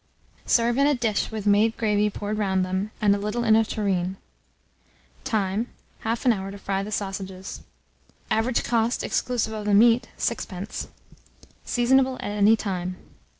Serve in a dish with made gravy poured round them, and a little in a tureen. Time. 1/2 hour to fry the sausages. Average cost, exclusive of the meat, 6d. Seasonable at any time.